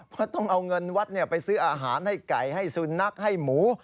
เพราะต้องเอาเงินวัดไปซื้ออาหารให้ไก่ให้สุนัขให้หมู